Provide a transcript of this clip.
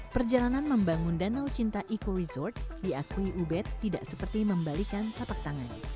perjalanan membangun danau cinta eco resort diakui ubed tidak seperti membalikan tapak tangan